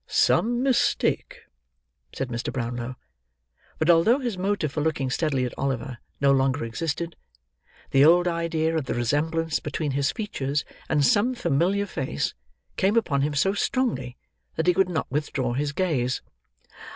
"Some mistake," said Mr. Brownlow. But, although his motive for looking steadily at Oliver no longer existed, the old idea of the resemblance between his features and some familiar face came upon him so strongly, that he could not withdraw his gaze.